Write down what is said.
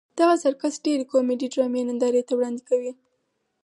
دغه سرکس ډېرې کومیډي ډرامې نندارې ته وړاندې کوي.